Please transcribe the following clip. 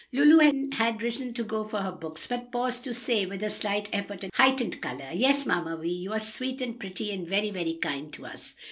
Lulu had risen to go for her books, but paused to say with a slight effort and heightened color, "Yes, Mamma Vi, you are sweet and pretty, and very, very kind to us."